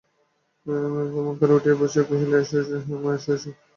ক্ষেমংকরী উঠিয়া বসিয়া কহিল, এসো এসো, হেম, এসো, বোসো।